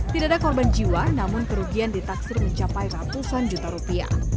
tidak ada korban jiwa namun kerugian ditaksir mencapai ratusan juta rupiah